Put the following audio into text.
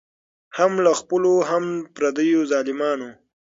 هم له خپلو هم پردیو ظالمانو